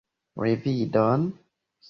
Revidon?